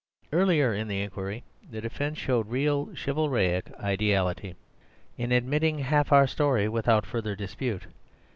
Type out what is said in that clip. "Earlier in the inquiry the defence showed real chivalric ideality in admitting half of our story without further dispute.